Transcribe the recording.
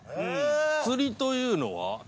釣りというのは？